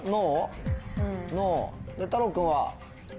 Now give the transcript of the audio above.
太朗君は？